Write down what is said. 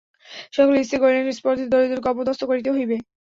সকলেই স্থির করিলেন, স্পর্ধিত দরিদ্রকে অপদস্থ করিতে হইবে।